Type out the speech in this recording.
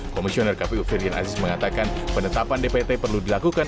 komisioner kpu ferdin aziz mengatakan penetapan dpt perlu dilakukan